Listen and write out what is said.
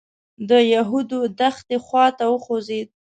د یهودو دښتې خوا ته وخوځېدو.